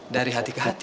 dari hati ke hati